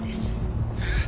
えっ？